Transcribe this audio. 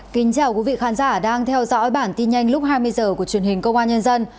kính chào quý vị khán giả đang theo dõi bản tin nhanh lúc hai mươi h của truyền hình công an nhân dân